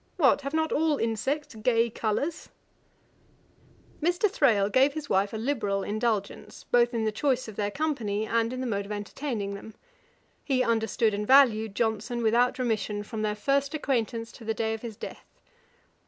What! have not all insects gay colours?' Mr. Thrale gave his wife a liberal indulgence, both in the choice of their company, and in the mode of entertaining them. He understood and valued Johnson, without remission, from their first acquaintance to the day of his death.